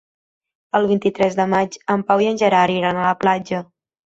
El vint-i-tres de maig en Pau i en Gerard iran a la platja.